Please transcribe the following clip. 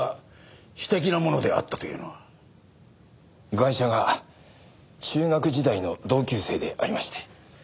ガイシャが中学時代の同級生でありまして。